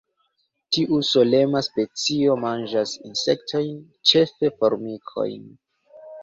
Tiu solema specio manĝas insektojn, ĉefe formikojn.